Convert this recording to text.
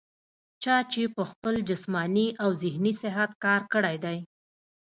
چا چې پۀ خپل جسماني او ذهني صحت کار کړے دے